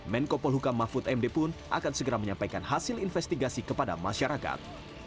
menko polhukam mahfud md pun akan segera menyampaikan hasil investigasi kepada masyarakat